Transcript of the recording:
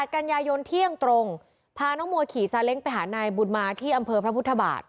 กันยายนเที่ยงตรงพาน้องมัวขี่ซาเล้งไปหานายบุญมาที่อำเภอพระพุทธบาท